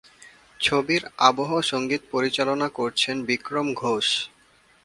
ছবির আবহ সংগীত পরিচালনা করেছেন বিক্রম ঘোষ।